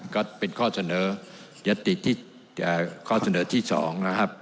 ก็เป็นข้อเสนอยัตติที่ข้อเสนอที่๒นะครับ